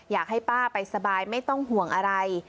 อยากให้ป้าไปสบายไม่ต้องห่วงอะไร